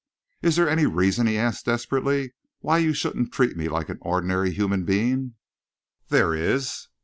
"Is there any reason," he asked desperately, "why you shouldn't treat me like an ordinary human being?" "There is."